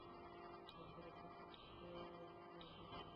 বন্ধুরা, সত্য এর চেয়েও নির্মম।